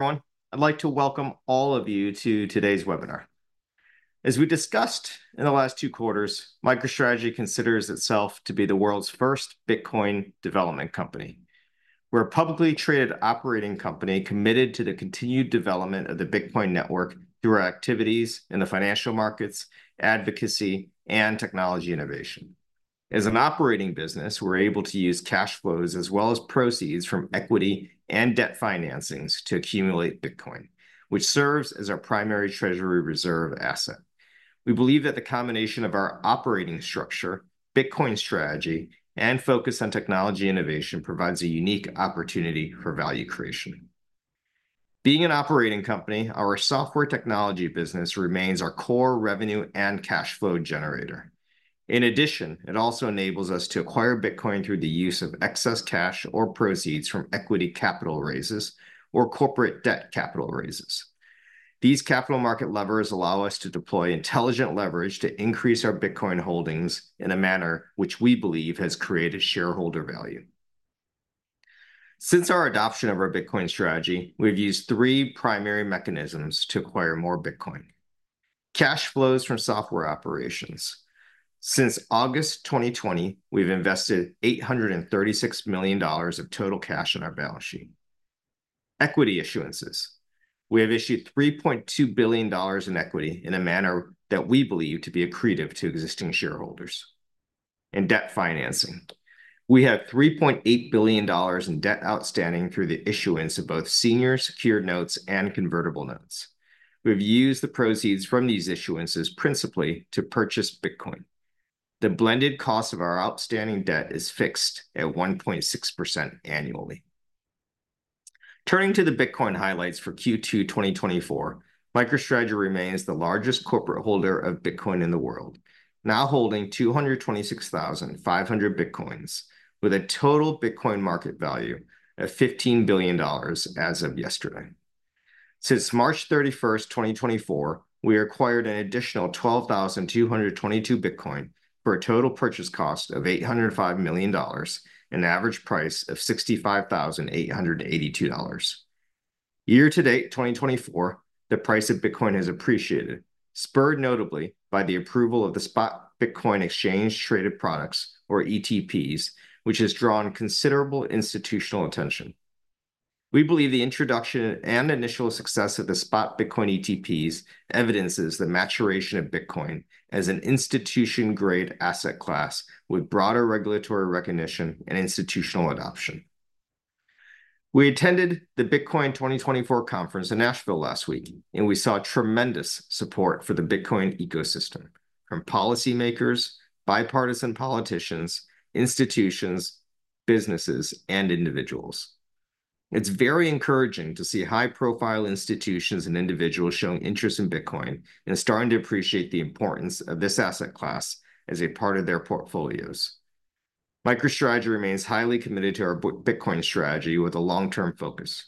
Everyone, I'd like to welcome all of you to today's webinar. As we discussed in the last two quarters, MicroStrategy considers itself to be the world's first Bitcoin development company. We're a publicly traded operating company committed to the continued development of the Bitcoin network through our activities in the financial markets, advocacy, and technology innovation. As an operating business, we're able to use cash flows as well as proceeds from equity and debt financings to accumulate Bitcoin, which serves as our primary treasury reserve asset. We believe that the combination of our operating structure, Bitcoin strategy, and focus on technology innovation provides a unique opportunity for value creation. Being an operating company, our software technology business remains our core revenue and cash flow generator. In addition, it also enables us to acquire Bitcoin through the use of excess cash or proceeds from equity capital raises or corporate debt capital raises. These capital market levers allow us to deploy intelligent leverage to increase our Bitcoin holdings in a manner which we believe has created shareholder value. Since our adoption of our Bitcoin strategy, we've used three primary mechanisms to acquire more Bitcoin: cash flows from software operations. Since August 2020, we've invested $836 million of total cash in our balance sheet. Equity issuances: we have issued $3.2 billion in equity in a manner that we believe to be accretive to existing shareholders. In debt financing, we have $3.8 billion in debt outstanding through the issuance of both senior secured notes and convertible notes. We've used the proceeds from these issuances principally to purchase Bitcoin. The blended cost of our outstanding debt is fixed at 1.6% annually. Turning to the Bitcoin highlights for Q2 2024, MicroStrategy remains the largest corporate holder of Bitcoin in the world, now holding 226,500 Bitcoins with a total Bitcoin market value of $15 billion as of yesterday. Since March 31, 2024, we acquired an additional 12,222 Bitcoin for a total purchase cost of $805 million and an average price of $65,882. Year to date 2024, the price of Bitcoin has appreciated, spurred notably by the approval of the Spot Bitcoin Exchange-Traded Products, or ETPs, which has drawn considerable institutional attention. We believe the introduction and initial success of the Spot Bitcoin ETPs evidences the maturation of Bitcoin as an institution-grade asset class with broader regulatory recognition and institutional adoption. We attended the Bitcoin 2024 conference in Nashville last week, and we saw tremendous support for the Bitcoin ecosystem from policymakers, bipartisan politicians, institutions, businesses, and individuals. It's very encouraging to see high-profile institutions and individuals showing interest in Bitcoin and starting to appreciate the importance of this asset class as a part of their portfolios. MicroStrategy remains highly committed to our Bitcoin strategy with a long-term focus.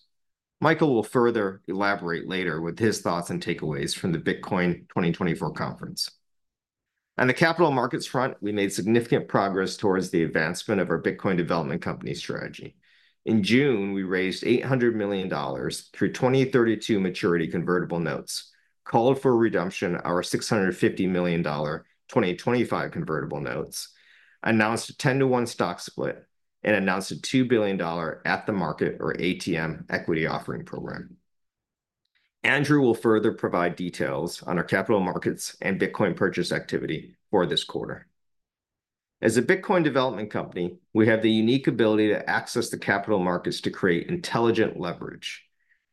Michael will further elaborate later with his thoughts and takeaways from the Bitcoin 2024 conference. On the capital markets front, we made significant progress towards the advancement of our Bitcoin development company strategy. In June, we raised $800 million through 2032 maturity convertible notes, called for redemption of our $650 million 2025 convertible notes, announced a 10-to-1 stock split, and announced a $2 billion at-the-market, or ATM, equity offering program. Andrew will further provide details on our capital markets and Bitcoin purchase activity for this quarter. As a Bitcoin development company, we have the unique ability to access the capital markets to create intelligent leverage.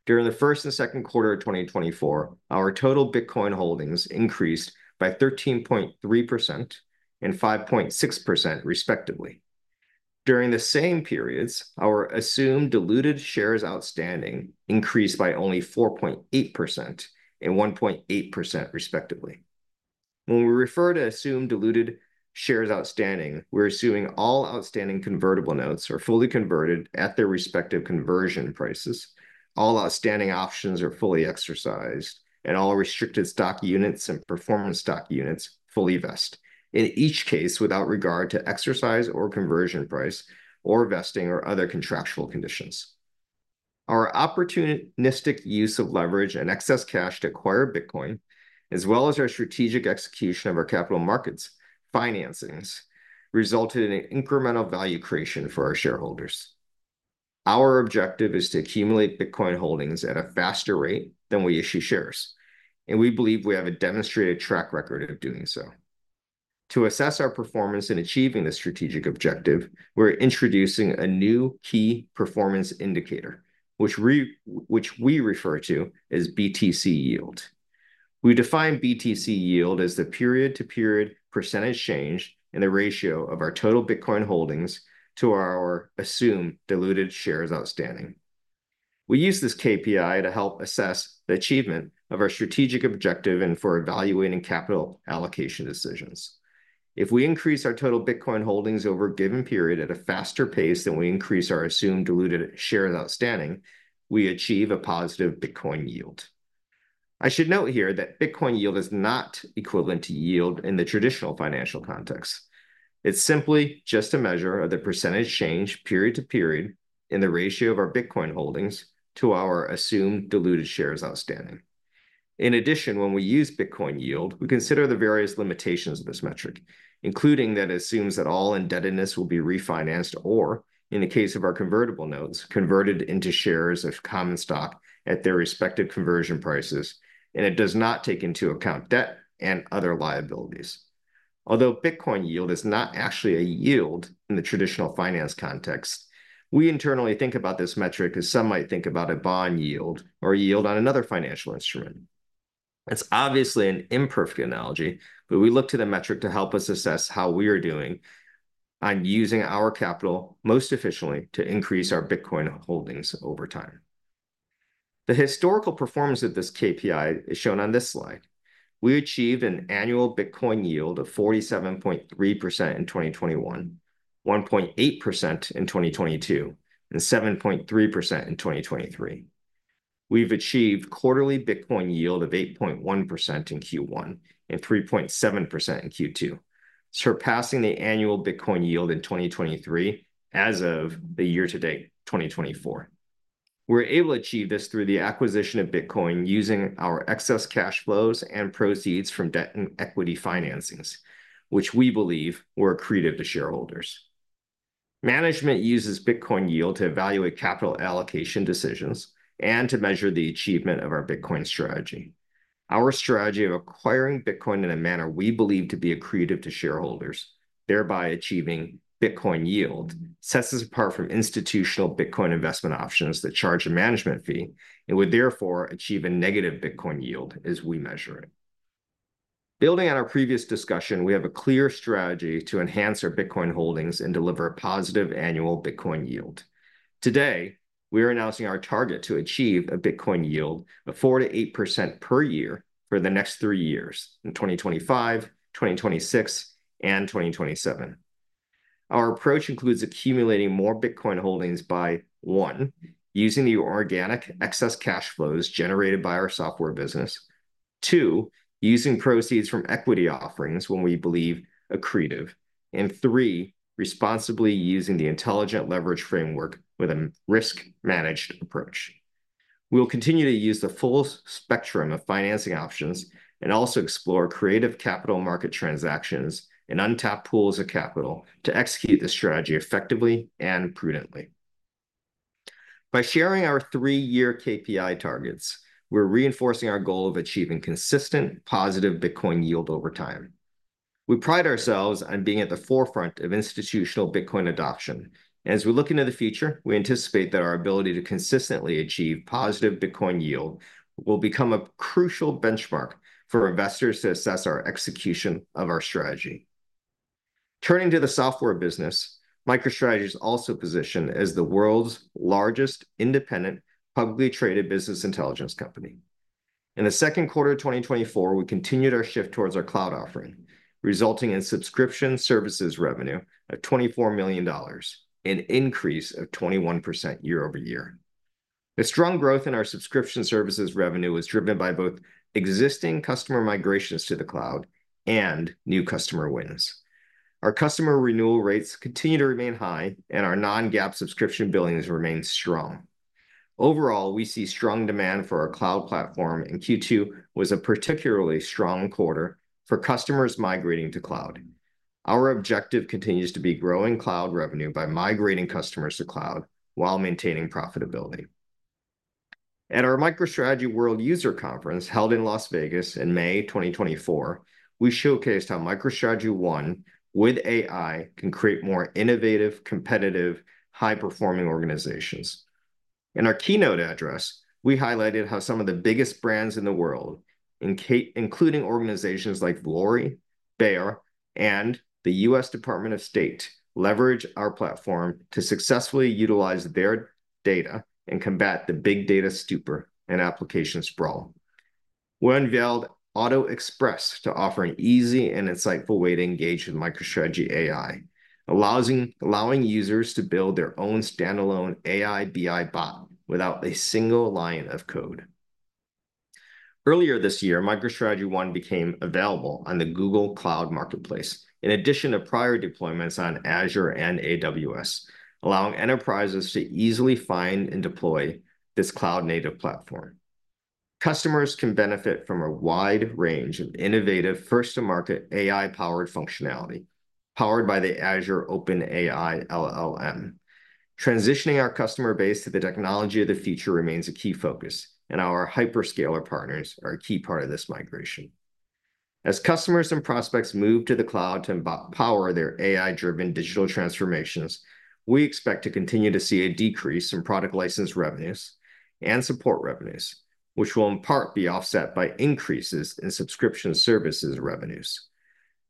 During the first and second quarter of 2024, our total Bitcoin holdings increased by 13.3% and 5.6%, respectively. During the same periods, our assumed diluted shares outstanding increased by only 4.8% and 1.8%, respectively. When we refer to assumed diluted shares outstanding, we're assuming all outstanding convertible notes are fully converted at their respective conversion prices, all outstanding options are fully exercised, and all restricted stock units and performance stock units fully vest, in each case without regard to exercise or conversion price or vesting or other contractual conditions. Our opportunistic use of leverage and excess cash to acquire Bitcoin, as well as our strategic execution of our capital markets financings, resulted in incremental value creation for our shareholders. Our objective is to accumulate Bitcoin holdings at a faster rate than we issue shares, and we believe we have a demonstrated track record of doing so. To assess our performance in achieving this strategic objective, we're introducing a new key performance indicator, which we refer to as BTC Yield. We define BTC Yield as the period-to-period percentage change in the ratio of our total Bitcoin holdings to our assumed diluted shares outstanding. We use this KPI to help assess the achievement of our strategic objective and for evaluating capital allocation decisions. If we increase our total Bitcoin holdings over a given period at a faster pace than we increase our assumed diluted shares outstanding, we achieve a positive Bitcoin yield. I should note here that Bitcoin yield is not equivalent to yield in the traditional financial context. It's simply just a measure of the percentage change period-to-period in the ratio of our Bitcoin holdings to our assumed diluted shares outstanding. In addition, when we use Bitcoin yield, we consider the various limitations of this metric, including that it assumes that all indebtedness will be refinanced or, in the case of our convertible notes, converted into shares of common stock at their respective conversion prices, and it does not take into account debt and other liabilities. Although Bitcoin yield is not actually a yield in the traditional finance context, we internally think about this metric as some might think about a bond yield or a yield on another financial instrument. It's obviously an imperfect analogy, but we look to the metric to help us assess how we are doing on using our capital most efficiently to increase our Bitcoin holdings over time. The historical performance of this KPI is shown on this slide. We achieved an annual Bitcoin yield of 47.3% in 2021, 1.8% in 2022, and 7.3% in 2023. We've achieved quarterly Bitcoin yield of 8.1% in Q1 and 3.7% in Q2, surpassing the annual Bitcoin yield in 2023 as of the year to date, 2024. We're able to achieve this through the acquisition of Bitcoin using our excess cash flows and proceeds from debt and equity financings, which we believe were accretive to shareholders. Management uses Bitcoin yield to evaluate capital allocation decisions and to measure the achievement of our Bitcoin strategy. Our strategy of acquiring Bitcoin in a manner we believe to be accretive to shareholders, thereby achieving Bitcoin yield, sets us apart from institutional Bitcoin investment options that charge a management fee and would therefore achieve a negative Bitcoin yield as we measure it. Building on our previous discussion, we have a clear strategy to enhance our Bitcoin holdings and deliver a positive annual Bitcoin yield. Today, we are announcing our target to achieve a Bitcoin yield of 4%-8% per year for the next three years in 2025, 2026, and 2027. Our approach includes accumulating more Bitcoin holdings by, one, using the organic excess cash flows generated by our software business, two, using proceeds from equity offerings when we believe accretive, and three, responsibly using the intelligent leverage framework with a risk-managed approach. We'll continue to use the full spectrum of financing options and also explore creative capital market transactions and untapped pools of capital to execute the strategy effectively and prudently. By sharing our three-year KPI targets, we're reinforcing our goal of achieving consistent positive Bitcoin yield over time. We pride ourselves on being at the forefront of institutional Bitcoin adoption, and as we look into the future, we anticipate that our ability to consistently achieve positive Bitcoin yield will become a crucial benchmark for investors to assess our execution of our strategy. Turning to the software business, MicroStrategy is also positioned as the world's largest independent publicly traded business intelligence company. In the second quarter of 2024, we continued our shift towards our cloud offering, resulting in subscription services revenue of $24 million and an increase of 21% year-over-year. The strong growth in our subscription services revenue was driven by both existing customer migrations to the cloud and new customer winners. Our customer renewal rates continue to remain high, and our non-GAAP subscription billings remain strong. Overall, we see strong demand for our cloud platform, and Q2 was a particularly strong quarter for customers migrating to cloud. Our objective continues to be growing cloud revenue by migrating customers to cloud while maintaining profitability. At our MicroStrategy World User Conference held in Las Vegas in May 2024, we showcased how MicroStrategy ONE with AI can create more innovative, competitive, high-performing organizations. In our keynote address, we highlighted how some of the biggest brands in the world, including organizations like L'Oréal, Bayer, and the U.S. Department of State, leverage our platform to successfully utilize their data and combat the big data stupor and application sprawl. We unveiled Auto Express to offer an easy and insightful way to engage with MicroStrategy AI, allowing users to build their own standalone AI BI bot without a single line of code. Earlier this year, MicroStrategy ONE became available on the Google Cloud Marketplace, in addition to prior deployments on Azure and AWS, allowing enterprises to easily find and deploy this cloud-native platform. Customers can benefit from a wide range of innovative first-to-market AI-powered functionality powered by the Azure OpenAI LLM. Transitioning our customer base to the technology of the future remains a key focus, and our hyperscaler partners are a key part of this migration. As customers and prospects move to the cloud to empower their AI-driven digital transformations, we expect to continue to see a decrease in product license revenues and support revenues, which will in part be offset by increases in subscription services revenues.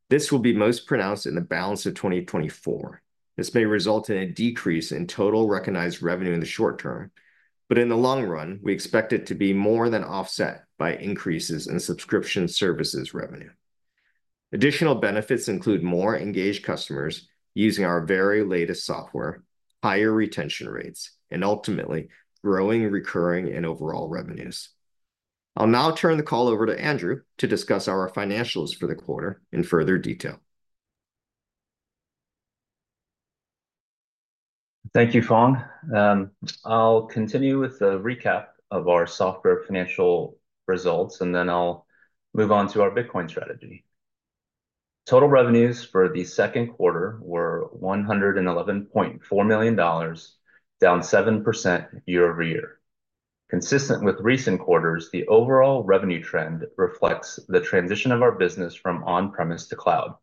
This will be most pronounced in the balance of 2024. This may result in a decrease in total recognized revenue in the short term, but in the long run, we expect it to be more than offset by increases in subscription services revenue. Additional benefits include more engaged customers using our very latest software, higher retention rates, and ultimately growing recurring and overall revenues. I'll now turn the call over to Andrew to discuss our financials for the quarter in further detail. Thank you, Phong. I'll continue with the recap of our software financial results, and then I'll move on to our Bitcoin strategy. Total revenues for the second quarter were $111.4 million, down 7% year-over-year. Consistent with recent quarters, the overall revenue trend reflects the transition of our business from on-premise to cloud.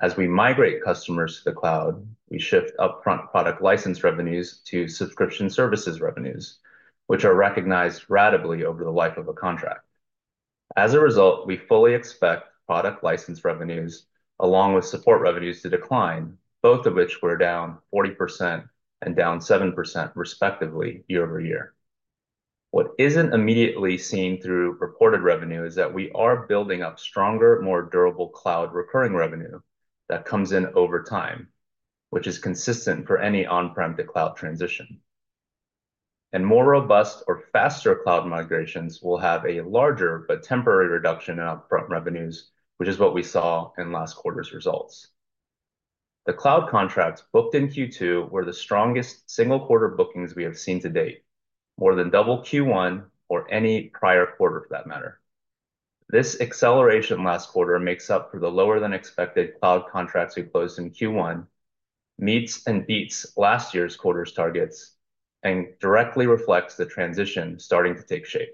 As we migrate customers to the cloud, we shift upfront product license revenues to subscription services revenues, which are recognized ratably over the life of a contract. As a result, we fully expect product license revenues, along with support revenues, to decline, both of which were down 40% and down 7%, respectively, year-over-year. What isn't immediately seen through reported revenue is that we are building up stronger, more durable cloud recurring revenue that comes in over time, which is consistent for any on-prem to cloud transition. More robust or faster cloud migrations will have a larger but temporary reduction in upfront revenues, which is what we saw in last quarter's results. The cloud contracts booked in Q2 were the strongest single quarter bookings we have seen to date, more than double Q1 or any prior quarter, for that matter. This acceleration last quarter makes up for the lower-than-expected cloud contracts we closed in Q1, meets and beats last year's quarter's targets, and directly reflects the transition starting to take shape.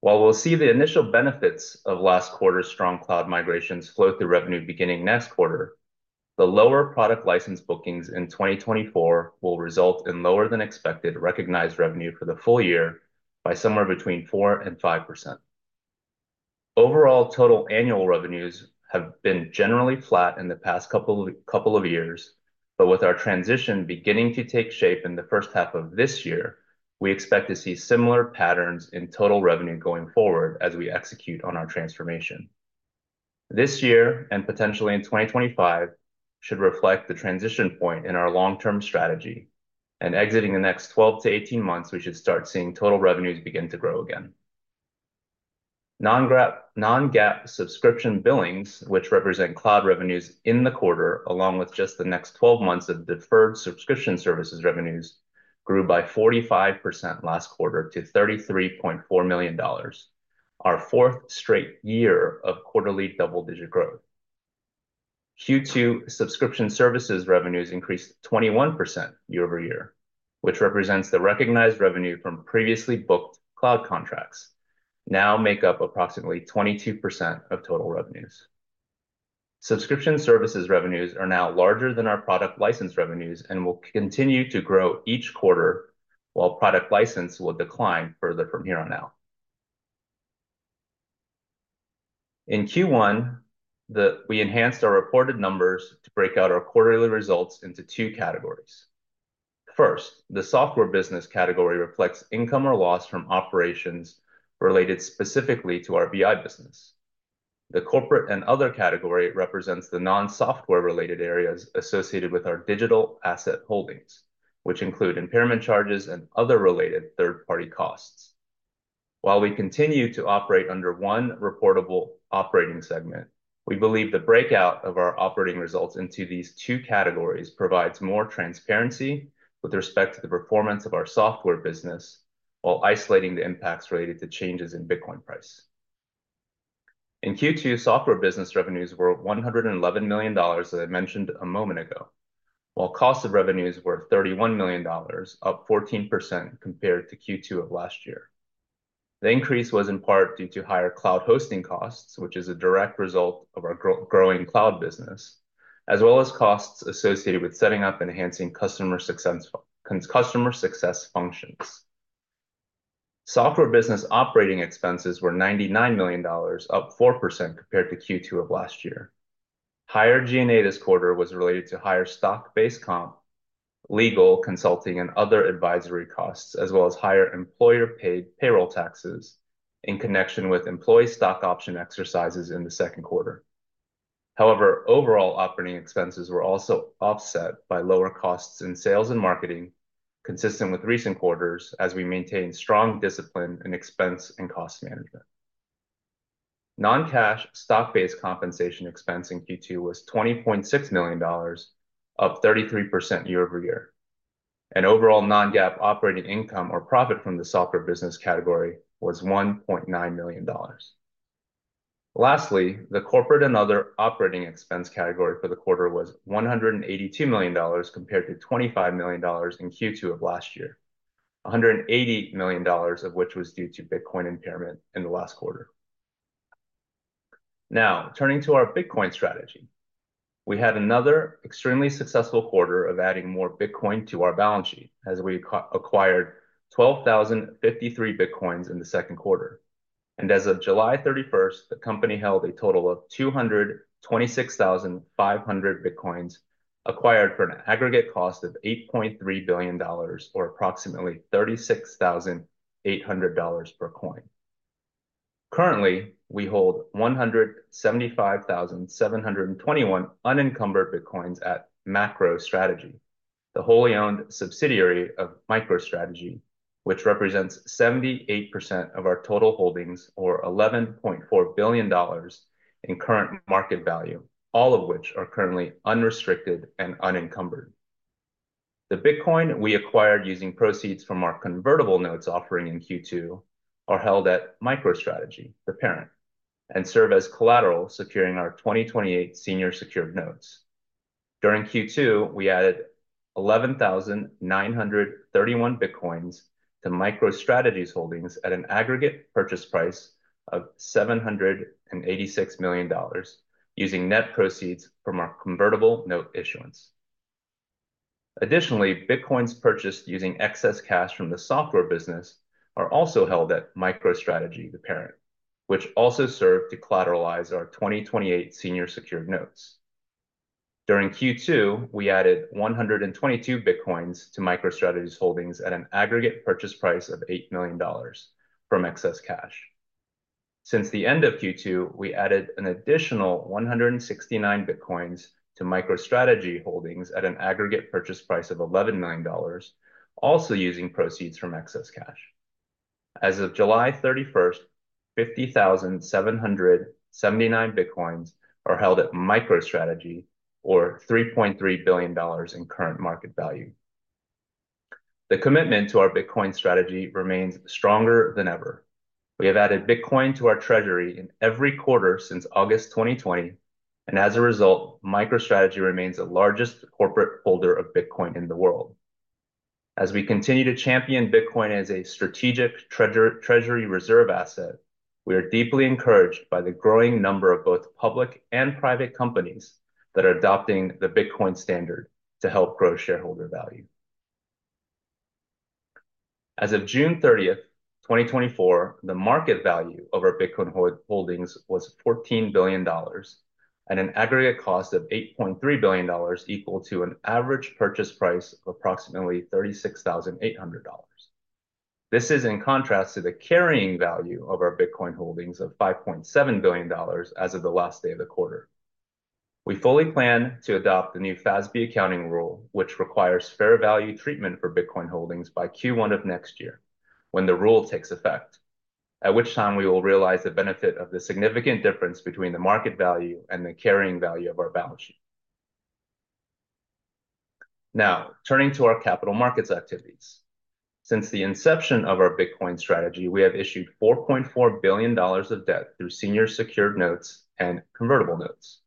While we'll see the initial benefits of last quarter's strong cloud migrations flow through revenue beginning next quarter, the lower product license bookings in 2024 will result in lower-than-expected recognized revenue for the full year by somewhere between 4% and 5%. Overall, total annual revenues have been generally flat in the past couple of years, but with our transition beginning to take shape in the first half of this year, we expect to see similar patterns in total revenue going forward as we execute on our transformation. This year and potentially in 2025 should reflect the transition point in our long-term strategy, and in the next 12-18 months, we should start seeing total revenues begin to grow again. Non-GAAP subscription billings, which represent cloud revenues in the quarter, along with just the next 12 months of deferred subscription services revenues, grew by 45% last quarter to $33.4 million, our fourth straight year of quarterly double-digit growth. Q2 subscription services revenues increased 21% year-over-year, which represents the recognized revenue from previously booked cloud contracts now make up approximately 22% of total revenues. Subscription services revenues are now larger than our product license revenues and will continue to grow each quarter, while product license will decline further from here on out. In Q1, we enhanced our reported numbers to break out our quarterly results into two categories. First, the software business category reflects income or loss from operations related specifically to our BI business. The corporate and other category represents the non-software-related areas associated with our digital asset holdings, which include impairment charges and other related third-party costs. While we continue to operate under one reportable operating segment, we believe the breakout of our operating results into these two categories provides more transparency with respect to the performance of our software business while isolating the impacts related to changes in Bitcoin price. In Q2, software business revenues were $111 million, as I mentioned a moment ago, while cost of revenues were $31 million, up 14% compared to Q2 of last year. The increase was in part due to higher cloud hosting costs, which is a direct result of our growing cloud business, as well as costs associated with setting up and enhancing customer success functions. Software business operating expenses were $99 million, up 4% compared to Q2 of last year. Higher G&A this quarter was related to higher stock-based comp, legal, consulting, and other advisory costs, as well as higher employer-paid payroll taxes in connection with employee stock option exercises in the second quarter. However, overall operating expenses were also offset by lower costs in sales and marketing, consistent with recent quarters, as we maintain strong discipline in expense and cost management. Non-cash stock-based compensation expense in Q2 was $20.6 million, up 33% year-over-year. Overall non-GAAP operating income or profit from the software business category was $1.9 million. Lastly, the corporate and other operating expense category for the quarter was $182 million compared to $25 million in Q2 of last year, $180 million of which was due to Bitcoin impairment in the last quarter. Now, turning to our Bitcoin strategy, we had another extremely successful quarter of adding more Bitcoin to our balance sheet as we acquired 12,053 Bitcoins in the second quarter. As of July 31st, the company held a total of 226,500 Bitcoins acquired for an aggregate cost of $8.3 billion, or approximately $36,800 per coin. Currently, we hold 175,721 unencumbered Bitcoins at MicroStrategy, the wholly owned subsidiary of MicroStrategy, which represents 78% of our total holdings, or $11.4 billion in current market value, all of which are currently unrestricted and unencumbered. The Bitcoin we acquired using proceeds from our convertible notes offering in Q2 are held at MicroStrategy, the parent, and serve as collateral securing our 2028 senior secured notes. During Q2, we added 11,931 Bitcoins to MicroStrategy's holdings at an aggregate purchase price of $786 million, using net proceeds from our convertible note issuance. Additionally, Bitcoins purchased using excess cash from the software business are also held at MicroStrategy, the parent, which also serve to collateralize our 2028 senior secured notes. During Q2, we added 122 Bitcoins to MicroStrategy's holdings at an aggregate purchase price of $8 million from excess cash. Since the end of Q2, we added an additional 169 Bitcoins to MicroStrategy holdings at an aggregate purchase price of $11 million, also using proceeds from excess cash. As of July 31st, 50,779 Bitcoins are held at MicroStrategy, or $3.3 billion in current market value. The commitment to our Bitcoin strategy remains stronger than ever. We have added Bitcoin to our treasury in every quarter since August 2020, and as a result, MicroStrategy remains the largest corporate holder of Bitcoin in the world. As we continue to champion Bitcoin as a strategic treasury reserve asset, we are deeply encouraged by the growing number of both public and private companies that are adopting the Bitcoin standard to help grow shareholder value. As of June 30th, 2024, the market value of our Bitcoin holdings was $14 billion, and an aggregate cost of $8.3 billion equaled to an average purchase price of approximately $36,800. This is in contrast to the carrying value of our Bitcoin holdings of $5.7 billion as of the last day of the quarter. We fully plan to adopt the new FASB accounting rule, which requires fair value treatment for Bitcoin holdings by Q1 of next year when the rule takes effect, at which time we will realize the benefit of the significant difference between the market value and the carrying value of our balance sheet. Now, turning to our capital markets activities. Since the inception of our Bitcoin strategy, we have issued $4.4 billion of debt through senior secured notes and convertible notes.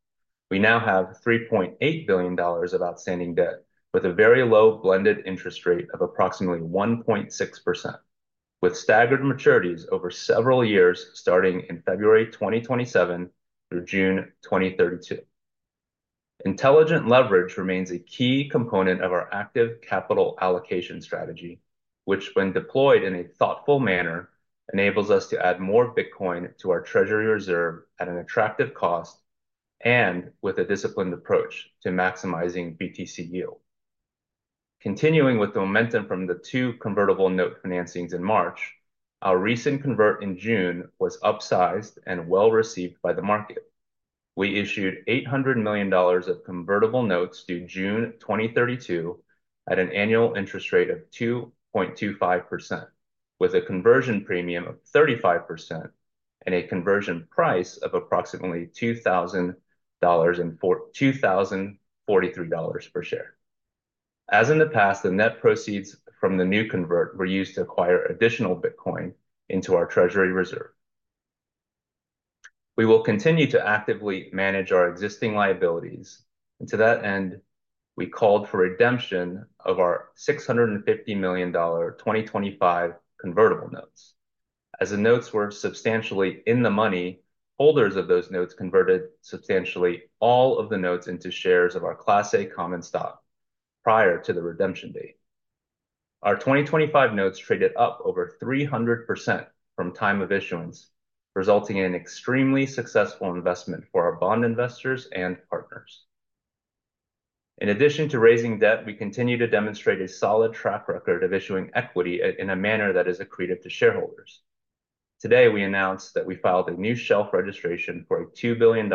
We now have $3.8 billion of outstanding debt with a very low blended interest rate of approximately 1.6%, with staggered maturities over several years starting in February 2027 through June 2032. Intelligent leverage remains a key component of our active capital allocation strategy, which, when deployed in a thoughtful manner, enables us to add more Bitcoin to our treasury reserve at an attractive cost and with a disciplined approach to maximizing BTC Yield. Continuing with the momentum from the two convertible note financings in March, our recent convert in June was upsized and well received by the market. We issued $800 million of convertible notes due June 2032 at an annual interest rate of 2.25%, with a conversion premium of 35% and a conversion price of approximately $2,043 per share. As in the past, the net proceeds from the new convert were used to acquire additional Bitcoin into our treasury reserve. We will continue to actively manage our existing liabilities, and to that end, we called for redemption of our $650 million 2025 convertible notes. As the notes were substantially in the money, holders of those notes converted substantially all of the notes into shares of our Class A common stock prior to the redemption date. Our 2025 notes traded up over 300% from time of issuance, resulting in an extremely successful investment for our bond investors and partners. In addition to raising debt, we continue to demonstrate a solid track record of issuing equity in a manner that is accretive to shareholders. Today, we announced that we filed a new shelf registration for a $2 billion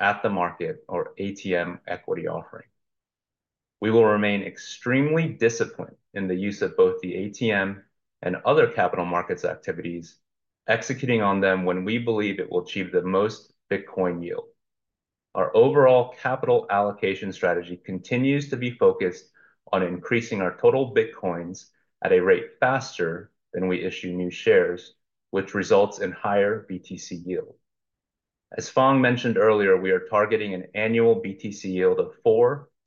at the market, or ATM, equity offering. We will remain extremely disciplined in the use of both the ATM and other capital markets activities, executing on them when we believe it will achieve the most Bitcoin yield. Our overall capital allocation strategy continues to be focused on increasing our total Bitcoins at a rate faster than we issue new shares, which results in higher BTC Yield. As Phong mentioned earlier, we are targeting an annual BTC Yield of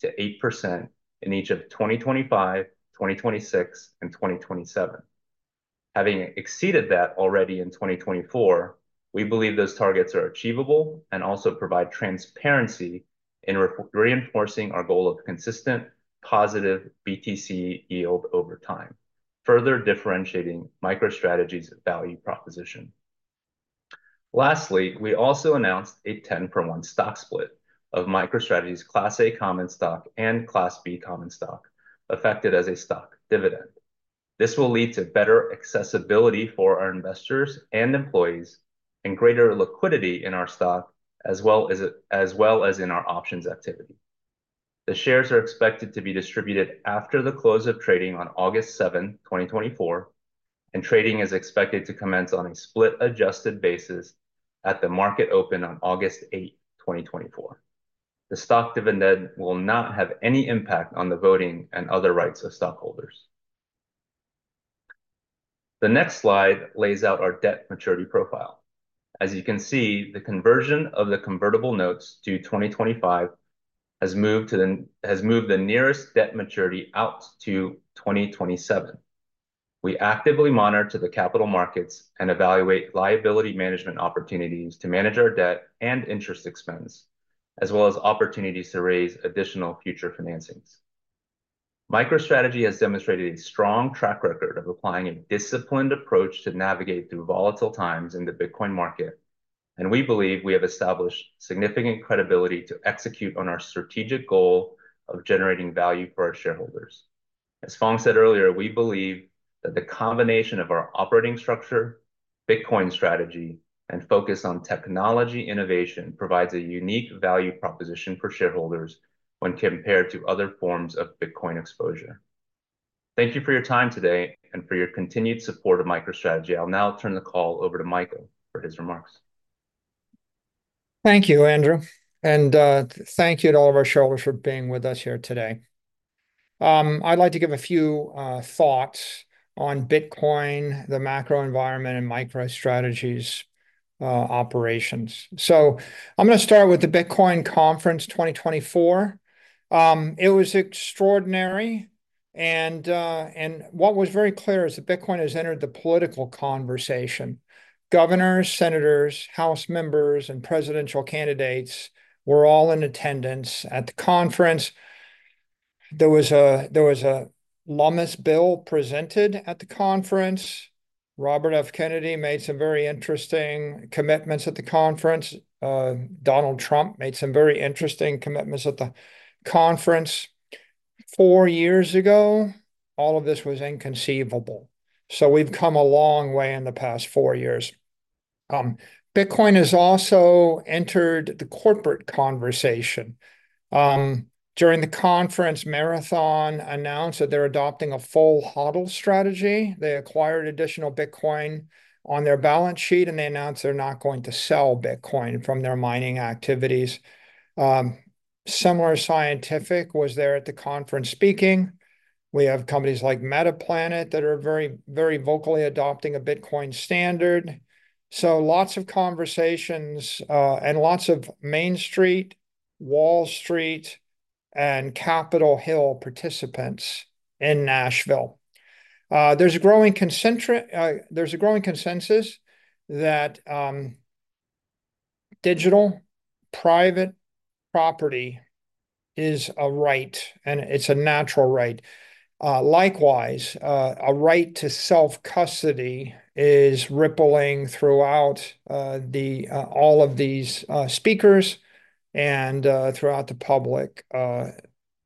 4%-8% in each of 2025, 2026, and 2027. Having exceeded that already in 2024, we believe those targets are achievable and also provide transparency in reinforcing our goal of consistent positive BTC Yield over time, further differentiating MicroStrategy's value proposition. Lastly, we also announced a 10-for-1 stock split of MicroStrategy's Class A common stock and Class B common stock affected as a stock dividend. This will lead to better accessibility for our investors and employees and greater liquidity in our stock, as well as in our options activity. The shares are expected to be distributed after the close of trading on August 7, 2024, and trading is expected to commence on a split-adjusted basis at the market open on August 8, 2024. The stock dividend will not have any impact on the voting and other rights of stockholders. The next slide lays out our debt maturity profile. As you can see, the conversion of the convertible notes due 2025 has moved the nearest debt maturity out to 2027. We actively monitor the capital markets and evaluate liability management opportunities to manage our debt and interest expense, as well as opportunities to raise additional future financings. MicroStrategy has demonstrated a strong track record of applying a disciplined approach to navigate through volatile times in the Bitcoin market, and we believe we have established significant credibility to execute on our strategic goal of generating value for our shareholders. As Phong said earlier, we believe that the combination of our operating structure, Bitcoin strategy, and focus on technology innovation provides a unique value proposition for shareholders when compared to other forms of Bitcoin exposure. Thank you for your time today and for your continued support of MicroStrategy. I'll now turn the call over to Michael for his remarks. Thank you, Andrew. Thank you to all of our shareholders for being with us here today. I'd like to give a few thoughts on Bitcoin, the macro environment, and MicroStrategy's operations. I'm going to start with the Bitcoin Conference 2024. It was extraordinary. What was very clear is that Bitcoin has entered the political conversation. Governors, senators, House members, and presidential candidates were all in attendance at the conference. There was a Lummis bill presented at the conference. Robert F. Kennedy made some very interesting commitments at the conference. Donald Trump made some very interesting commitments at the conference. Four years ago, all of this was inconceivable. We've come a long way in the past four years. Bitcoin has also entered the corporate conversation. During the conference, Marathon announced that they're adopting a full HODL strategy. They acquired additional Bitcoin on their balance sheet, and they announced they're not going to sell Bitcoin from their mining activities. Similarweb was there at the conference speaking. We have companies like Metaplanet that are very, very vocally adopting a Bitcoin standard. So lots of conversations and lots of Main Street, Wall Street, and Capitol Hill participants in Nashville. There's a growing consensus that digital private property is a right, and it's a natural right. Likewise, a right to self-custody is rippling throughout all of these speakers and throughout the public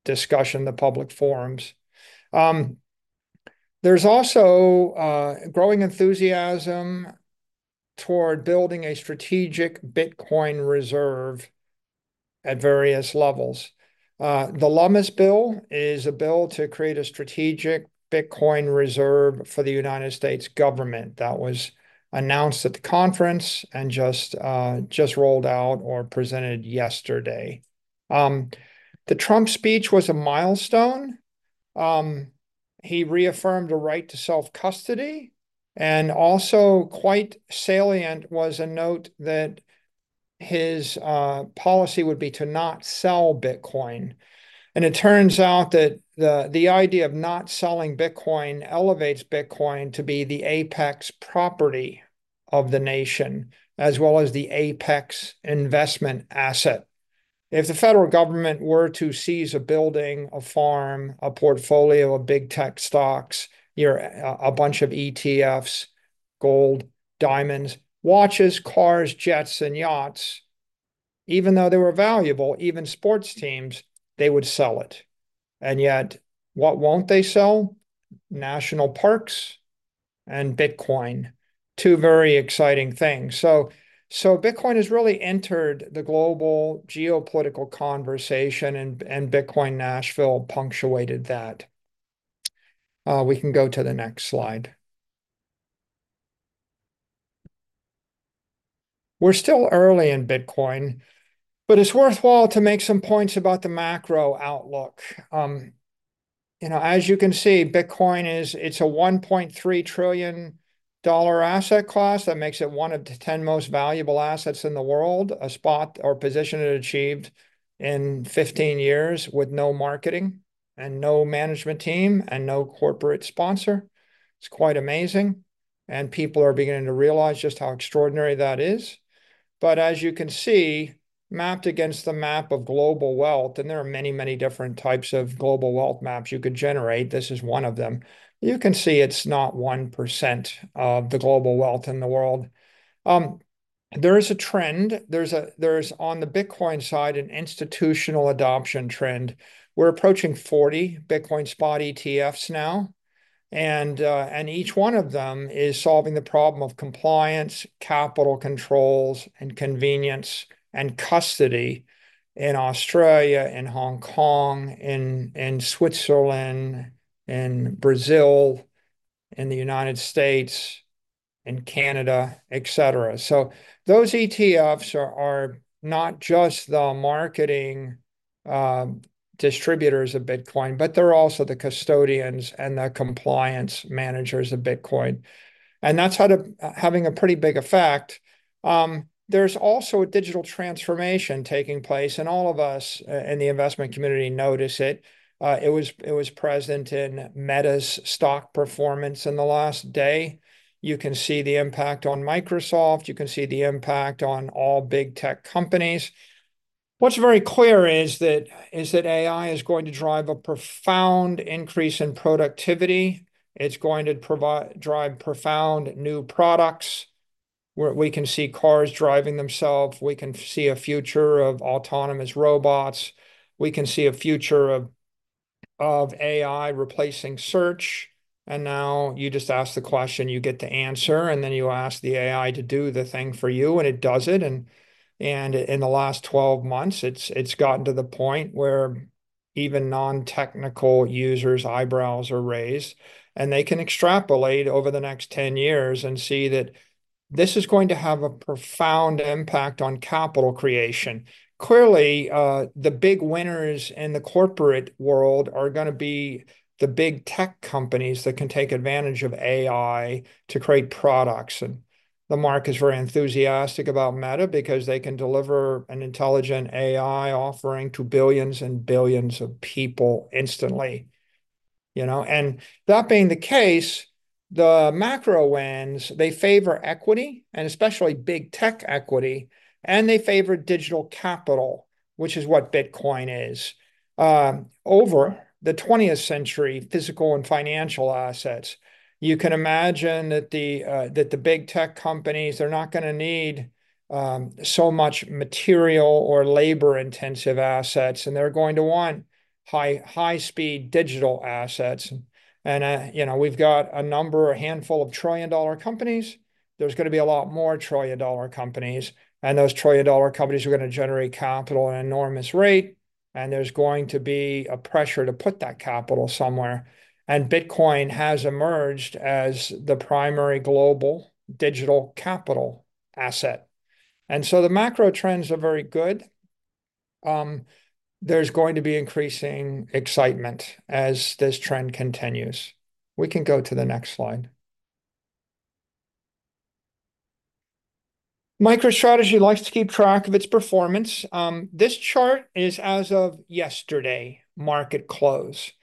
discussion, the public forums. There's also growing enthusiasm toward building a strategic Bitcoin reserve at various levels. The Lummis bill is a bill to create a strategic Bitcoin reserve for the United States government. That was announced at the conference and just rolled out or presented yesterday. The Trump speech was a milestone. He reaffirmed a right to self-custody. Also quite salient was a note that his policy would be to not sell Bitcoin. It turns out that the idea of not selling Bitcoin elevates Bitcoin to be the apex property of the nation, as well as the apex investment asset. If the federal government were to seize a building, a farm, a portfolio of big tech stocks, a bunch of ETFs, gold, diamonds, watches, cars, jets, and yachts, even though they were valuable, even sports teams, they would sell it. Yet, what won't they sell? National parks and Bitcoin. Two very exciting things. Bitcoin has really entered the global geopolitical conversation, and Bitcoin Nashville punctuated that. We can go to the next slide. We're still early in Bitcoin, but it's worthwhile to make some points about the macro outlook. As you can see, Bitcoin is a $1.3 trillion asset class that makes it one of the 10 most valuable assets in the world, a spot or position it achieved in 15 years with no marketing and no management team and no corporate sponsor. It's quite amazing. People are beginning to realize just how extraordinary that is. As you can see, mapped against the map of global wealth, and there are many, many different types of global wealth maps you could generate. This is one of them. You can see it's not 1% of the global wealth in the world. There is a trend. There's on the Bitcoin side an institutional adoption trend. We're approaching 40 spot Bitcoin ETFs now. Each one of them is solving the problem of compliance, capital controls, and convenience and custody in Australia, in Hong Kong, in Switzerland, in Brazil, in the United States, in Canada, et cetera. So those ETFs are not just the marketing distributors of Bitcoin, but they're also the custodians and the compliance managers of Bitcoin. That's having a pretty big effect. There's also a digital transformation taking place, and all of us in the investment community notice it. It was present in Meta's stock performance in the last day. You can see the impact on Microsoft. You can see the impact on all big tech companies. What's very clear is that AI is going to drive a profound increase in productivity. It's going to drive profound new products. We can see cars driving themselves. We can see a future of autonomous robots. We can see a future of AI replacing search. Now you just ask the question, you get the answer, and then you ask the AI to do the thing for you, and it does it. In the last 12 months, it's gotten to the point where even non-technical users' eyebrows are raised. They can extrapolate over the next 10 years and see that this is going to have a profound impact on capital creation. Clearly, the big winners in the corporate world are going to be the big tech companies that can take advantage of AI to create products. The market is very enthusiastic about Meta because they can deliver an intelligent AI offering to billions and billions of people instantly. And that being the case, the macro wins. They favor equity, and especially big tech equity, and they favor digital capital, which is what Bitcoin is. Over the 20th century, physical and financial assets. You can imagine that the big tech companies, they're not going to need so much material or labor-intensive assets, and they're going to want high-speed digital assets. And we've got a number, a handful of trillion-dollar companies. There's going to be a lot more trillion-dollar companies. And those trillion-dollar companies are going to generate capital at an enormous rate. And there's going to be a pressure to put that capital somewhere. And Bitcoin has emerged as the primary global digital capital asset. And so the macro trends are very good. There's going to be increasing excitement as this trend continues. We can go to the next slide. MicroStrategy likes to keep track of its performance. This chart is as of yesterday, market close.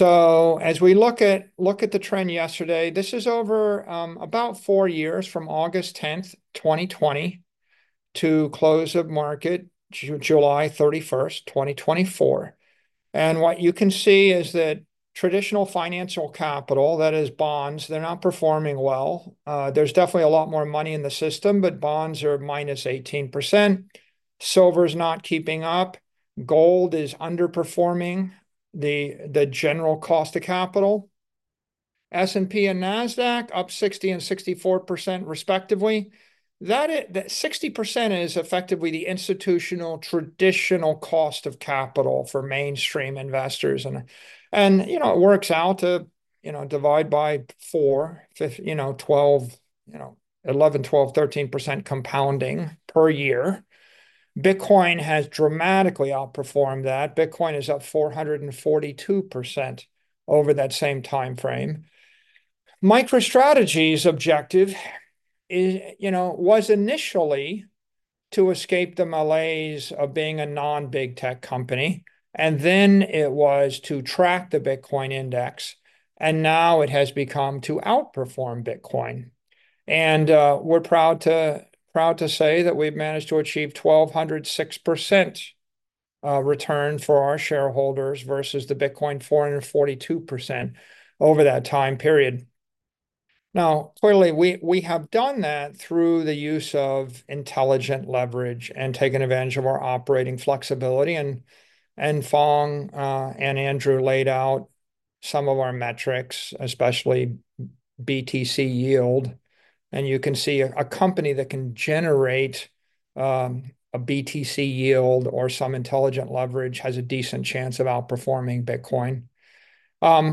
As we look at the trend yesterday, this is over about four years from August 10, 2020, to close of market, July 31, 2024. What you can see is that traditional financial capital, that is bonds, they're not performing well. There's definitely a lot more money in the system, but bonds are -18%. Silver is not keeping up. Gold is underperforming the general cost of capital. S&P and NASDAQ up 60% and 64%, respectively. That 60% is effectively the institutional traditional cost of capital for mainstream investors. It works out to divide by 4, 12%, 11%, 12%, 13% compounding per year. Bitcoin has dramatically outperformed that. Bitcoin is up 442% over that same time frame. MicroStrategy's objective was initially to escape the malaise of being a non-big tech company. Then it was to track the Bitcoin index. And now it has become to outperform Bitcoin. And we're proud to say that we've managed to achieve 1,206% return for our shareholders versus the Bitcoin 442% over that time period. Now, clearly, we have done that through the use of intelligent leverage and taking advantage of our operating flexibility. And Phong and Andrew laid out some of our metrics, especially BTC Yield. And you can see a company that can generate a BTC Yield or some intelligent leverage has a decent chance of outperforming Bitcoin.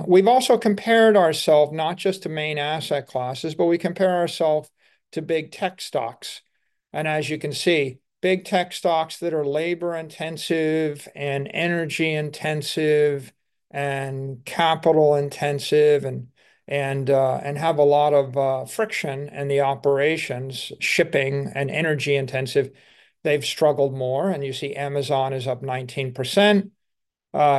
We've also compared ourselves not just to main asset classes, but we compare ourselves to big tech stocks. And as you can see, big tech stocks that are labor-intensive and energy-intensive and capital-intensive and have a lot of friction in the operations, shipping and energy-intensive, they've struggled more. And you see Amazon is up 19%.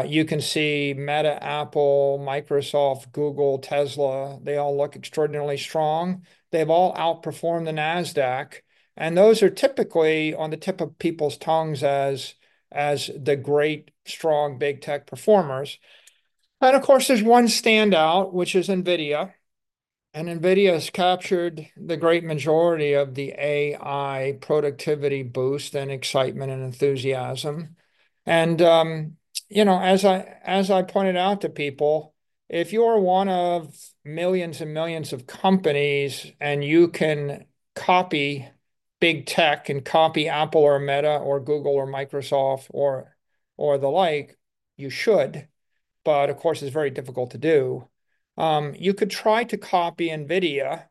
You can see Meta, Apple, Microsoft, Google, Tesla, they all look extraordinarily strong. They've all outperformed the Nasdaq. Those are typically on the tip of people's tongues as the great, strong, big tech performers. Of course, there's one standout, which is NVIDIA. NVIDIA has captured the great majority of the AI productivity boost and excitement and enthusiasm. As I pointed out to people, if you are one of millions and millions of companies and you can copy big tech and copy Apple or Meta or Google or Microsoft or the like, you should. Of course, it's very difficult to do. You could try to copy NVIDIA.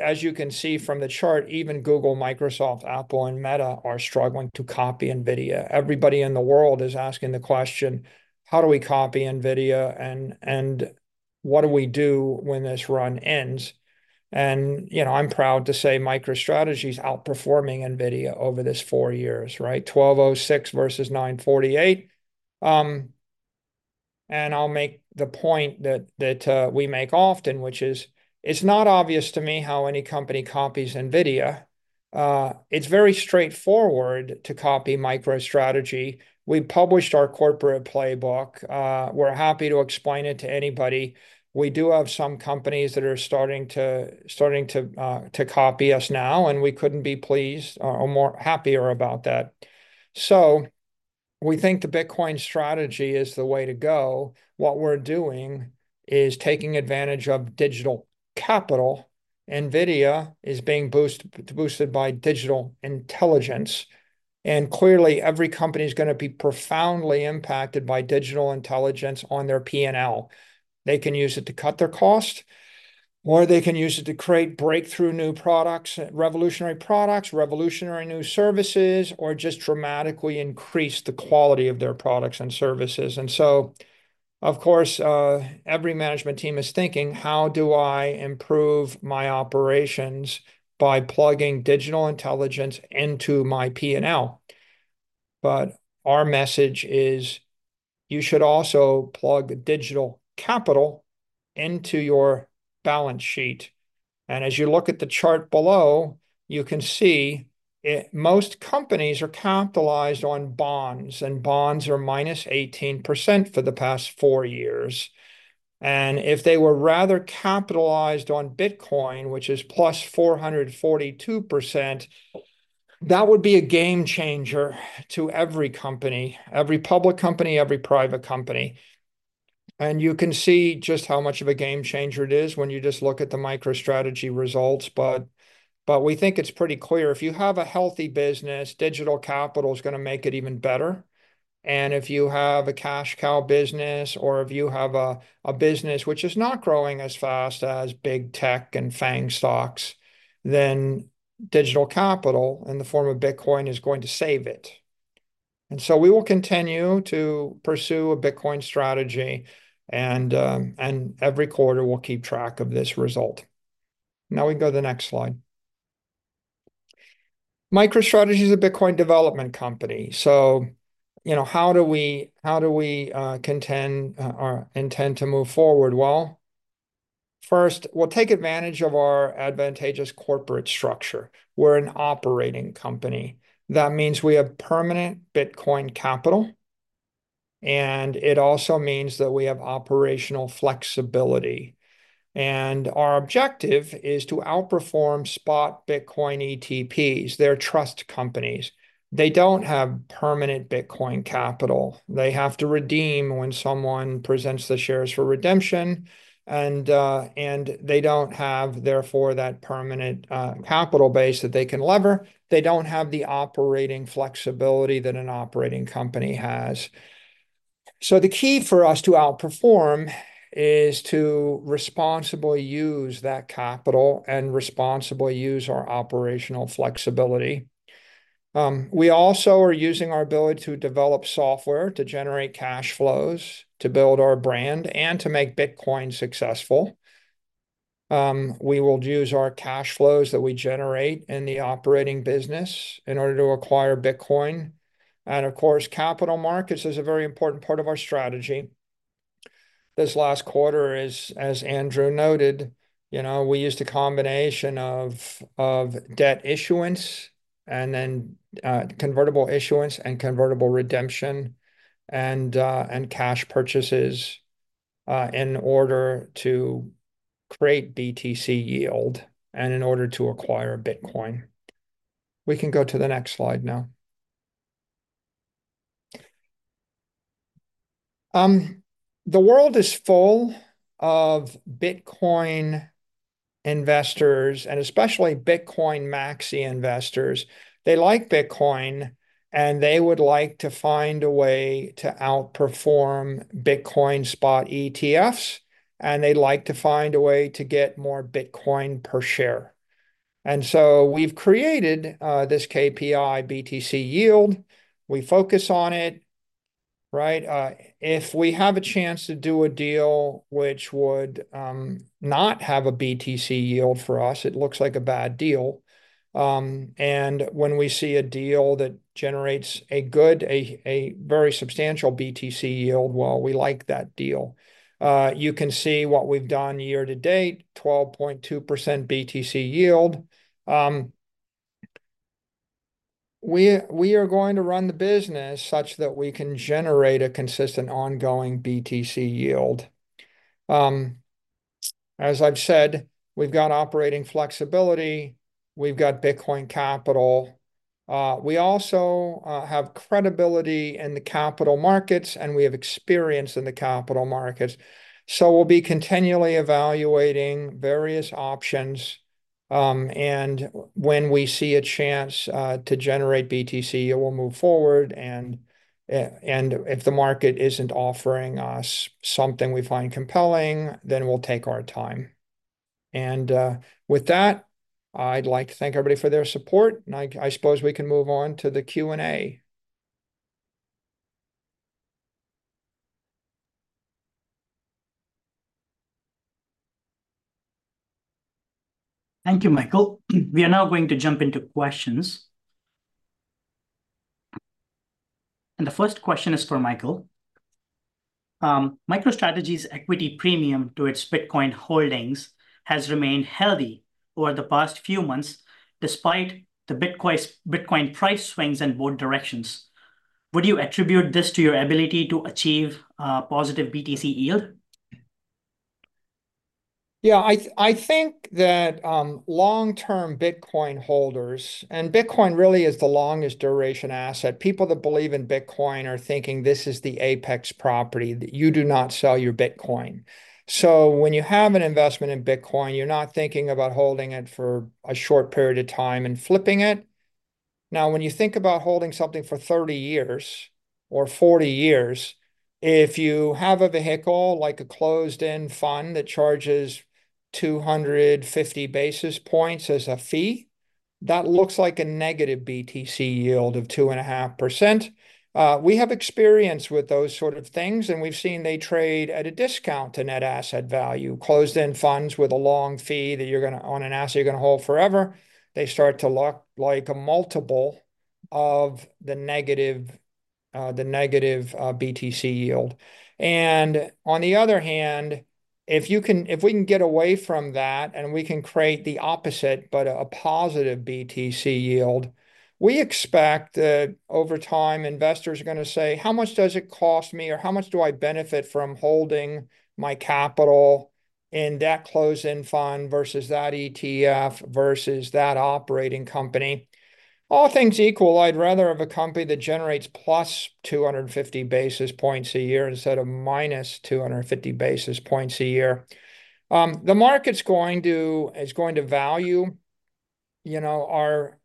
As you can see from the chart, even Google, Microsoft, Apple, and Meta are struggling to copy NVIDIA. Everybody in the world is asking the question, how do we copy NVIDIA? What do we do when this run ends? I'm proud to say MicroStrategy is outperforming NVIDIA over this four years, right? 1,206 versus 948. I'll make the point that we make often, which is it's not obvious to me how any company copies NVIDIA. It's very straightforward to copy MicroStrategy. We published our corporate playbook. We're happy to explain it to anybody. We do have some companies that are starting to copy us now, and we couldn't be pleased or more happier about that. So we think the Bitcoin strategy is the way to go. What we're doing is taking advantage of digital capital. NVIDIA is being boosted by digital intelligence. Clearly, every company is going to be profoundly impacted by digital intelligence on their P&L. They can use it to cut their cost, or they can use it to create breakthrough new products, revolutionary products, revolutionary new services, or just dramatically increase the quality of their products and services. And so, of course, every management team is thinking, how do I improve my operations by plugging digital intelligence into my P&L? But our message is you should also plug digital capital into your balance sheet. And as you look at the chart below, you can see most companies are capitalized on bonds, and bonds are -18% for the past 4 years. And if they were rather capitalized on Bitcoin, which is +442%, that would be a game changer to every company, every public company, every private company. And you can see just how much of a game changer it is when you just look at the MicroStrategy results. But we think it's pretty clear. If you have a healthy business, digital capital is going to make it even better. If you have a cash cow business or if you have a business which is not growing as fast as big tech and FAANG stocks, then digital capital in the form of Bitcoin is going to save it. So we will continue to pursue a Bitcoin strategy. Every quarter, we'll keep track of this result. Now we can go to the next slide. MicroStrategy is a Bitcoin development company. So how do we intend to move forward? Well, first, we'll take advantage of our advantageous corporate structure. We're an operating company. That means we have permanent Bitcoin capital. It also means that we have operational flexibility. Our objective is to outperform spot Bitcoin ETPs, their trust companies. They don't have permanent Bitcoin capital. They have to redeem when someone presents the shares for redemption. And they don't have, therefore, that permanent capital base that they can lever. They don't have the operating flexibility that an operating company has. So the key for us to outperform is to responsibly use that capital and responsibly use our operational flexibility. We also are using our ability to develop software to generate cash flows, to build our brand, and to make Bitcoin successful. We will use our cash flows that we generate in the operating business in order to acquire Bitcoin. And of course, capital markets is a very important part of our strategy. This last quarter is, as Andrew noted, we used a combination of debt issuance and then convertible issuance and convertible redemption and cash purchases in order to create BTC Yield and in order to acquire Bitcoin. We can go to the next slide now. The world is full of Bitcoin investors, and especially Bitcoin Maxi investors. They like Bitcoin, and they'd like to find a way to outperform Bitcoin spot ETFs. They'd like to find a way to get more Bitcoin per share. We've created this KPI, BTC Yield. We focus on it. If we have a chance to do a deal which would not have a BTC Yield for us, it looks like a bad deal. When we see a deal that generates a good, a very substantial BTC Yield, well, we like that deal. You can see what we've done year to date, 12.2% BTC Yield. We are going to run the business such that we can generate a consistent ongoing BTC Yield. As I've said, we've got operating flexibility. We've got Bitcoin capital. We also have credibility in the capital markets, and we have experience in the capital markets. So we'll be continually evaluating various options. When we see a chance to generate BTC, we'll move forward. If the market isn't offering us something we find compelling, then we'll take our time. With that, I'd like to thank everybody for their support. I suppose we can move on to the Q&A. Thank you, Michael. We are now going to jump into questions. The first question is for Michael. MicroStrategy's equity premium to its Bitcoin holdings has remained healthy over the past few months despite the Bitcoin price swings in both directions. Would you attribute this to your ability to achieve a positive BTC Yield? Yeah, I think that long-term Bitcoin holders, and Bitcoin really is the longest duration asset. People that believe in Bitcoin are thinking this is the apex property. You do not sell your Bitcoin. So when you have an investment in Bitcoin, you're not thinking about holding it for a short period of time and flipping it. Now, when you think about holding something for 30 years or 40 years, if you have a vehicle like a closed-end fund that charges 250 basis points as a fee, that looks like a negative BTC Yield of 2.5%. We have experience with those sort of things, and we've seen they trade at a discount to net asset value. Closed-end funds with a long fee that you're going to own an asset you're going to hold forever, they start to look like a multiple of the negative BTC Yield. And on the other hand, if we can get away from that and we can create the opposite, but a positive BTC Yield, we expect that over time, investors are going to say, how much does it cost me? Or how much do I benefit from holding my capital in that closed-end fund versus that ETF versus that operating company? All things equal, I'd rather have a company that generates plus 250 basis points a year instead of minus 250 basis points a year. The market's going to value our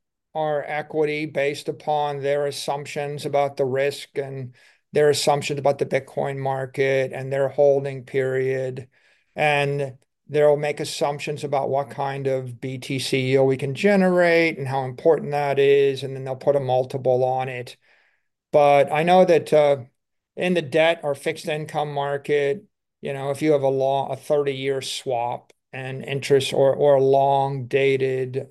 equity based upon their assumptions about the risk and their assumptions about the Bitcoin market and their holding period. And they'll make assumptions about what kind of BTC Yield we can generate and how important that is. And then they'll put a multiple on it. But I know that in the debt or fixed income market, if you have a 30-year swap and interest or a long-dated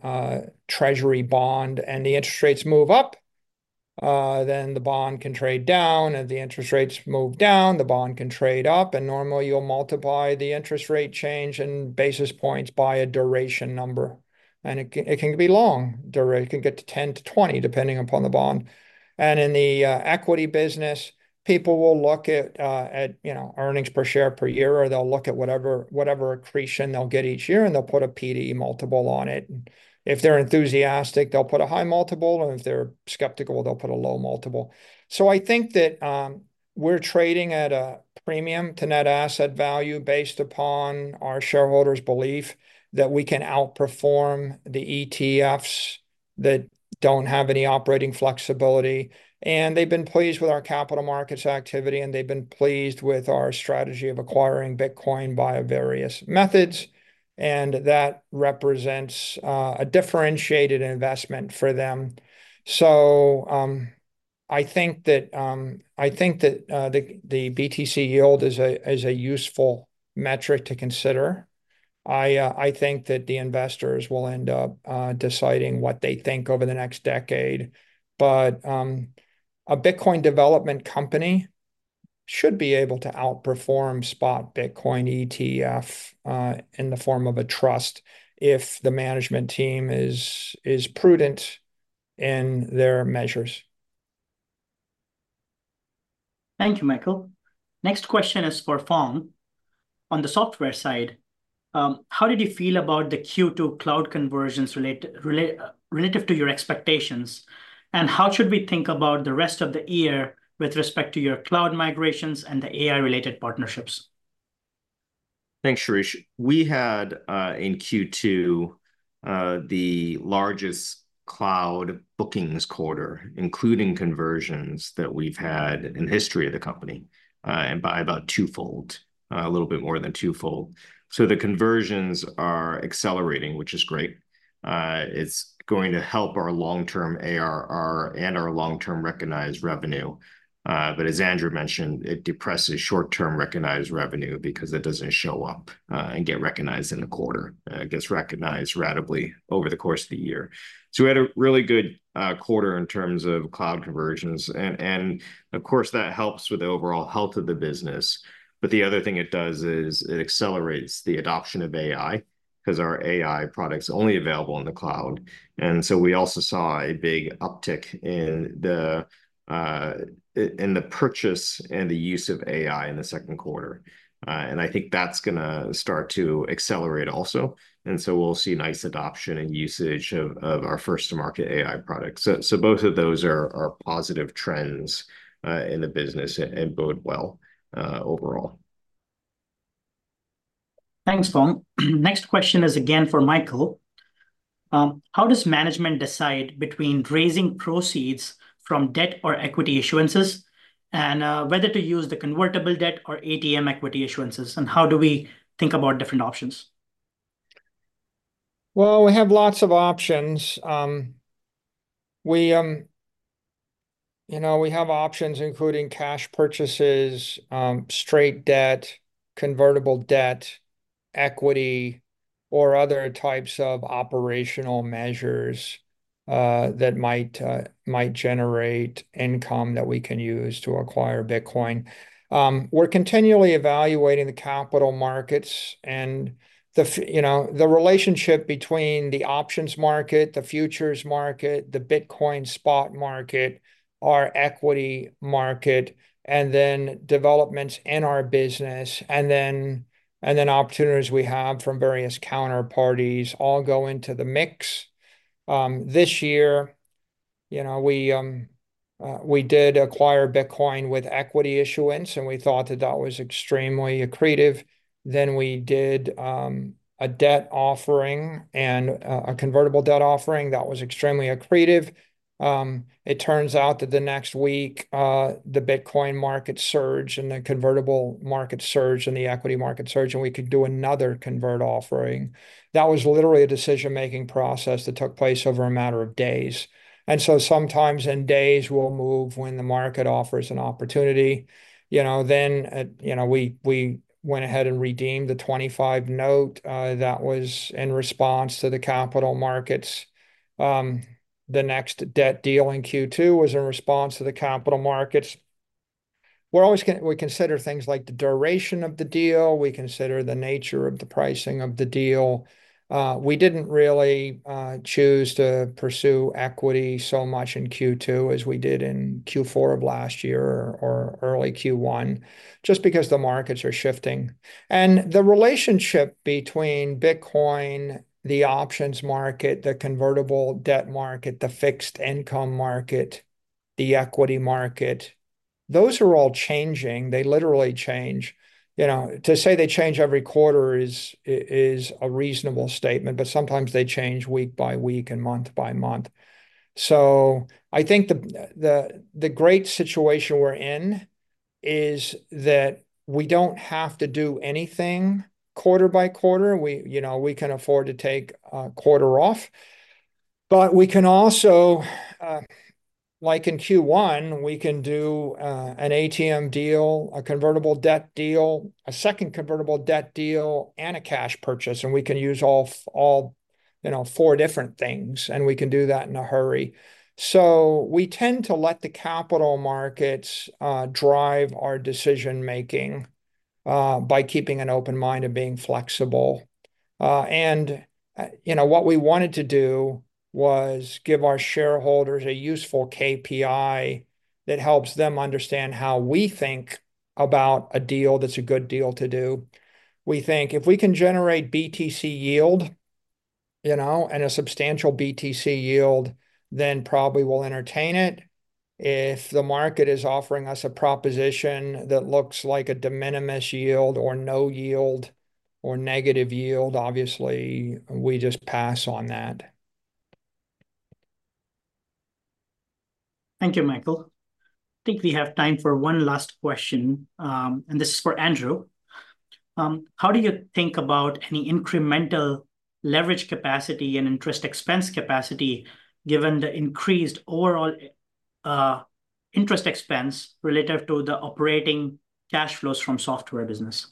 treasury bond and the interest rates move up, then the bond can trade down. And if the interest rates move down, the bond can trade up. And normally, you'll multiply the interest rate change in basis points by a duration number. And it can be long. It can get to 10-20, depending upon the bond. And in the equity business, people will look at earnings per share per year, or they'll look at whatever accretion they'll get each year, and they'll put a P/E multiple on it. If they're enthusiastic, they'll put a high multiple. And if they're skeptical, they'll put a low multiple. So I think that we're trading at a premium to net asset value based upon our shareholders' belief that we can outperform the ETFs that don't have any operating flexibility. And they've been pleased with our capital markets activity, and they've been pleased with our strategy of acquiring Bitcoin via various methods. And that represents a differentiated investment for them. So I think that I think that the BTC Yield is a useful metric to consider. I think that the investors will end up deciding what they think over the next decade. But a Bitcoin development company should be able to outperform spot Bitcoin ETF in the form of a trust if the management team is prudent in their measures. Thank you, Michael. Next question is for Phong. On the software side, how did you feel about the Q2 cloud conversions relative to your expectations? And how should we think about the rest of the year with respect to your cloud migrations and the AI-related partnerships? Thanks, Shirish. We had in Q2 the largest cloud bookings quarter, including conversions that we've had in the history of the company and by about twofold, a little bit more than twofold. So the conversions are accelerating, which is great. It's going to help our long-term ARR and our long-term recognized revenue. But as Andrew mentioned, it depresses short-term recognized revenue because it doesn't show up and get recognized in the quarter. It gets recognized ratably over the course of the year. So we had a really good quarter in terms of cloud conversions. And of course, that helps with the overall health of the business. But the other thing it does is it accelerates the adoption of AI because our AI products are only available in the cloud. And so we also saw a big uptick in the purchase and the use of AI in the second quarter. And I think that's going to start to accelerate also. And so we'll see nice adoption and usage of our first-to-market AI products. So both of those are positive trends in the business and bode well overall. Thanks, Phong. Next question is again for Michael. How does management decide between raising proceeds from debt or equity issuances and whether to use the convertible debt or ATM equity issuances? And how do we think about different options? Well, we have lots of options. We have options including cash purchases, straight debt, convertible debt, equity, or other types of operational measures that might generate income that we can use to acquire Bitcoin. We're continually evaluating the capital markets and the relationship between the options market, the futures market, the Bitcoin spot market, our equity market, and then developments in our business, and then opportunities we have from various counterparties all go into the mix. This year, we did acquire Bitcoin with equity issuance, and we thought that that was extremely accretive. Then we did a debt offering and a convertible debt offering that was extremely accretive. It turns out that the next week, the Bitcoin market surged and the convertible market surged and the equity market surged, and we could do another convert offering. That was literally a decision-making process that took place over a matter of days. And so sometimes in days, we'll move when the market offers an opportunity. Then we went ahead and redeemed the 2025 note that was in response to the capital markets. The next debt deal in Q2 was in response to the capital markets. We consider things like the duration of the deal. We consider the nature of the pricing of the deal. We didn't really choose to pursue equity so much in Q2 as we did in Q4 of last year or early Q1, just because the markets are shifting. And the relationship between Bitcoin, the options market, the convertible debt market, the fixed income market, the equity market, those are all changing. They literally change. To say they change every quarter is a reasonable statement, but sometimes they change week by week and month by month. So I think the great situation we're in is that we don't have to do anything quarter by quarter. We can afford to take a quarter off. But we can also, like in Q1, we can do an ATM deal, a convertible debt deal, a second convertible debt deal, and a cash purchase. We can use all four different things. We can do that in a hurry. So we tend to let the capital markets drive our decision-making by keeping an open mind and being flexible. What we wanted to do was give our shareholders a useful KPI that helps them understand how we think about a deal that's a good deal to do. We think if we can generate BTC Yield and a substantial BTC Yield, then probably we'll entertain it. If the market is offering us a proposition that looks like a de minimis yield or no yield or negative yield, obviously, we just pass on that. Thank you, Michael. I think we have time for one last question. This is for Andrew. How do you think about any incremental leverage capacity and interest expense capacity given the increased overall interest expense relative to the operating cash flows from software business?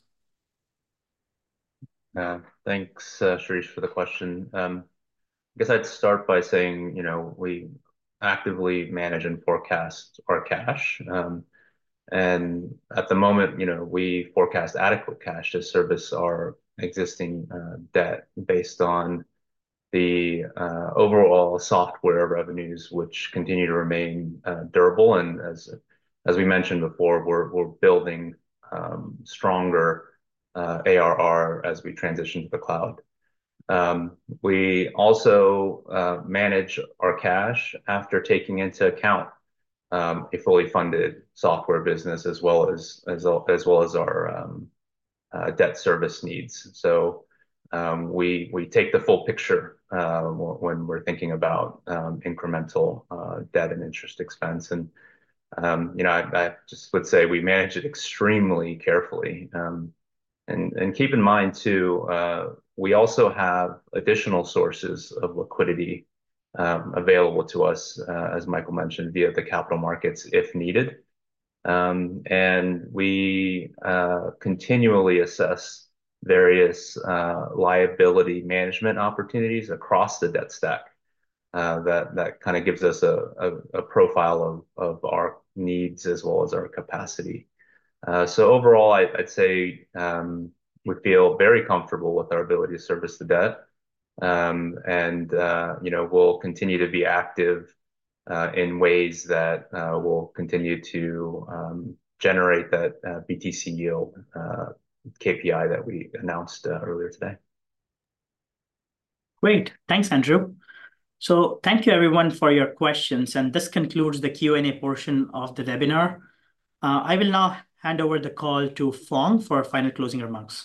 Thanks, Shirish, for the question. I guess I'd start by saying we actively manage and forecast our cash. At the moment, we forecast adequate cash to service our existing debt based on the overall software revenues, which continue to remain durable. As we mentioned before, we're building stronger ARR as we transition to the cloud. We also manage our cash after taking into account a fully funded software business as well as our debt service needs. We take the full picture when we're thinking about incremental debt and interest expense. I just would say we manage it extremely carefully. And keep in mind, too, we also have additional sources of liquidity available to us, as Michael mentioned, via the capital markets if needed. And we continually assess various liability management opportunities across the debt stack that kind of gives us a profile of our needs as well as our capacity. So overall, I'd say we feel very comfortable with our ability to service the debt. And we'll continue to be active in ways that we'll continue to generate that BTC Yield KPI that we announced earlier today. Great. Thanks, Andrew. So thank you, everyone, for your questions. And this concludes the Q&A portion of the webinar. I will now hand over the call to Phong for final closing remarks.